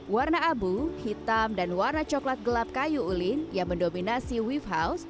warna abu hitam dan warna coklat gelap kayu ulin yang mendominasi wave house